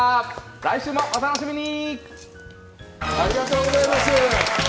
来週もお楽しみに！